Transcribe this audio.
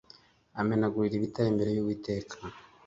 umenagurira ibitare imbere yUwiteka